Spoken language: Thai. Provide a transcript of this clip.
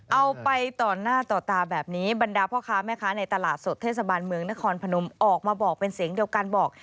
เอาไปต่อหน้าต่อตาแบบนี้บรรดาพ่อค้าแม่ค้าในตลาดสดเทศบาลเมืองนครพนมออกมาบอกเป็นเสียงเดียวกันบอก